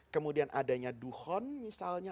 kemudian adanya duhon misalnya